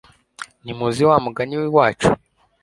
ntimuzi wa mugani w'iwacu